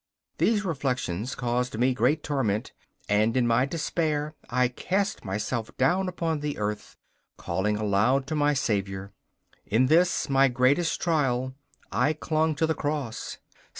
These reflections caused me great torment, and in my despair I cast myself down upon the earth, calling aloud to my Saviour. In this my greatest trial I clung to the Cross.